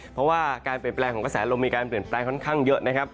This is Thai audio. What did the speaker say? เพราะการเปลี่ยนแปลงวิทยาลงมีการเปลี่ยนแปลงค่อนข้างเยอะ